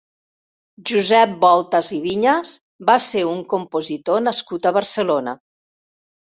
Josep Voltas i Viñas va ser un compositor nascut a Barcelona.